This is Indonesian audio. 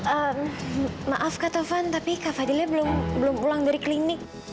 ehm maaf kak taufan tapi kak fadilnya belum pulang dari klinik